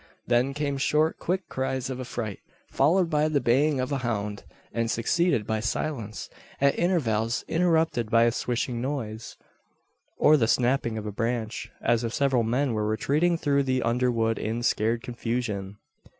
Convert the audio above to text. Then came short, quick cries of affright, followed by the baying of a hound, and succeeded by silence, at intervals interrupted by a swishing noise, or the snapping of a branch as if several men were retreating through the underwood in scared confusion!